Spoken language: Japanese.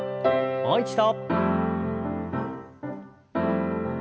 もう一度。